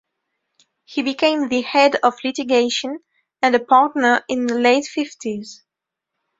He became the head of litigation and a partner in the late fifties.